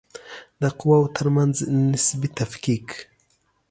د قواوو ترمنځ نسبي تفکیک